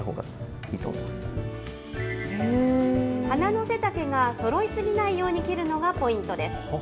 花の背丈がそろいすぎないように切るのがポイントです。